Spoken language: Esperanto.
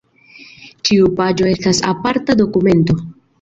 Ĉiu paĝo estas aparta dokumento.